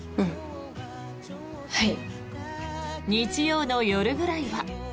はい。